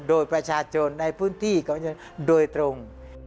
โดยประชาชนในพื้นที่กับประชาชนโดยตรง